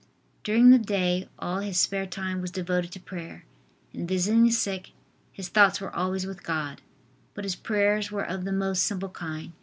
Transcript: "" During the day all his spare time was devoted to prayer. In visiting the sick his thoughts were always with God. But his prayers were of the most simple kind.